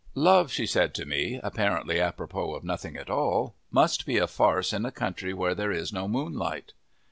"Love," she said to me, apparently apropos of nothing at all, "must be a farce in a country where there is no moonlight."